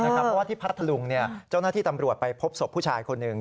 เพราะว่าที่พัทธลุงเจ้าหน้าที่ตำรวจไปพบศพผู้ชายคนหนึ่ง